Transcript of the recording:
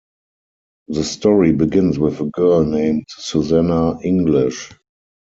The story begins with a girl named Susanna English.